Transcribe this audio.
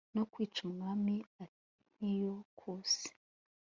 no kwica umwami antiyokusi